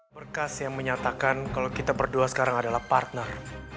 berkas yang menyatakan kalau kita berdua sekarang adalah partner